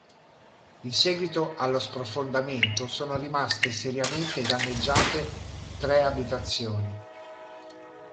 In seguito allo sprofondamento sono rimaste seriamente danneggiate tre abitazioni.